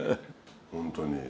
ホントに。